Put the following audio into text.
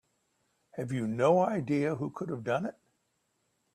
Have you no idea who could have done it?